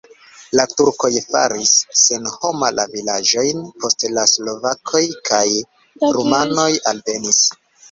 La turkoj faris senhoma la vilaĝojn, poste slovakoj kaj rumanoj alvenis.